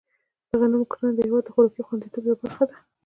د غنمو کرنه د هېواد د خوراکي خوندیتوب یوه برخه ده.